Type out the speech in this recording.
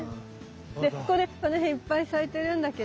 でこれこの辺いっぱい咲いてるんだけど。